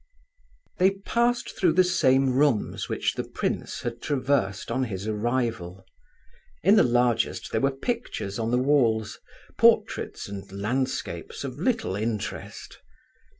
IV. They passed through the same rooms which the prince had traversed on his arrival. In the largest there were pictures on the walls, portraits and landscapes of little interest.